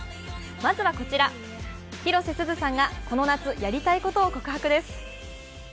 まずはこちら、広瀬すずさんがこの夏やりたいことを告白です。